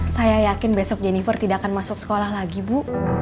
saya yakin besok jennifer tidak akan masuk sekolah lagi bu